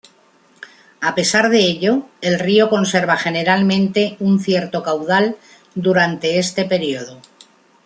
A pesar de ello, el río conserva generalmente un cierto caudal durante este periodo.